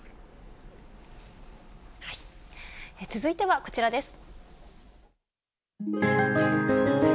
続いてはこちらです。